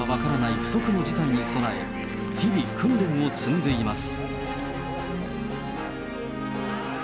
不測の事態に備え、日々訓練を積んでいます。